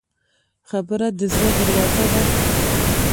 خبره د زړه دروازه ده.